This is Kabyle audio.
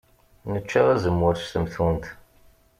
Nečča azemmur s temtunt.